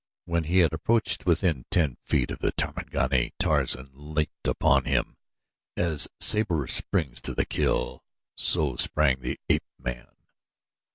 When he had approached within ten feet of the Tarmangani, Tarzan leaped upon him as Sabor springs to the kill, so sprang the ape man.